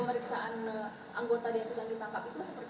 sudah dibenarkan memang ada gitu